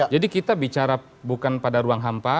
jadi kita bicara bukan pada ruang hampa